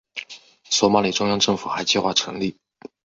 索马里中央政府还计划成立。